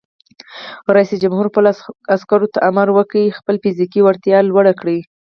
رئیس جمهور خپلو عسکرو ته امر وکړ؛ خپله فزیکي وړتیا لوړه کړئ!